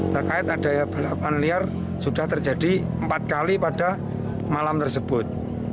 terkait adanya balapan liar sudah terjadi empat kali pada malam tersebut